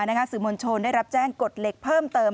สื่อมวลชนได้รับแจ้งกฎเหล็กเพิ่มเติม